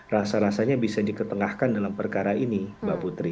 rasa rasanya bisa diketengahkan dalam perkara ini mbak putri